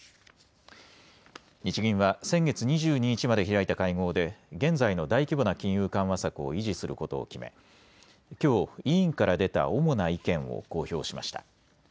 日銀は先月２２日まで開いた会合で現在の大規模な金融緩和策を維持することを決めきょう委員から出た主な意見を公表しました。